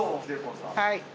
はい。